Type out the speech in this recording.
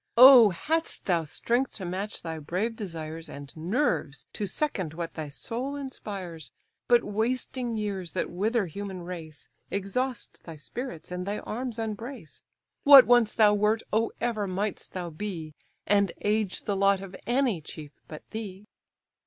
"Oh! hadst thou strength to match thy brave desires, And nerves to second what thy soul inspires! But wasting years, that wither human race, Exhaust thy spirits, and thy arms unbrace. What once thou wert, oh ever mightst thou be! And age the lot of any chief but thee."